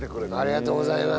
ありがとうございます。